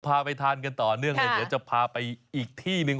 พาไปทานกันต่อเนื่องเลยเดี๋ยวจะพาไปอีกที่หนึ่ง